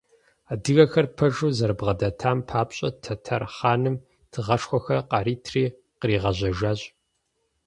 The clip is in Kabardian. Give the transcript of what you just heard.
Адыгэхэр пэжу зэрыбгъэдэтам папщӏэ, тэтэр хъаным тыгъэшхуэхэр къаритри къригъэжьэжащ.